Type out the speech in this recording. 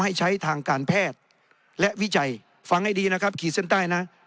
ให้ใช้ทางการแพทย์และวิจัยฟังให้ดีนะครับขีดเส้นใต้นะ